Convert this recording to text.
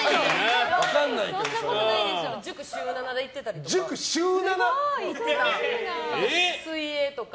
塾、週７で行ってたりとか。